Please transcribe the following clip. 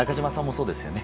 そうですね。